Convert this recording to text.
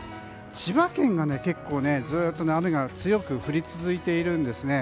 千葉県が結構、ずっと雨が強く降り続いているんですね。